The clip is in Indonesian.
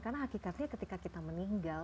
karena hakikatnya ketika kita meninggal